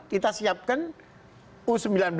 kita siapkan u sembilan belas